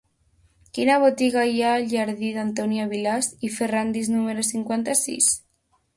Quina botiga hi ha al jardí d'Antònia Vilàs i Ferràndiz número cinquanta-sis?